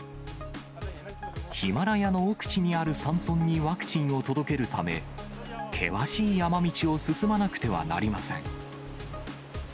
ヒマラヤの奥地にある山村にワクチンを届けるため、険しい山道を進まなくてはなりません。